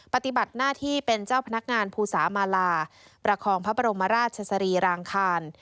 ปฏิบัติหน้าที่เป็นเจ้าพนักงานภูสามาลาประคองพระบรมราชสรีรางคาร